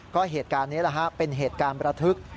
ก็เหตุการณ์นี้แหละฮะเป็นเหตุการณ์ประทึก